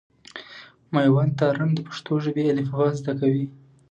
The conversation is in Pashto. مېوند تارڼ د پښتو ژبي الفبا زده کوي.